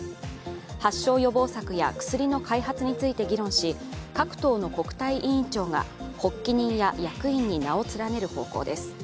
発症予防策や薬の開発について議論し各党の国対委員長が発起人や役員に名を連ねる方針です。